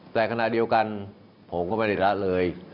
แต่ขณะเดียวกันผมก็ไม่ได้ละเลย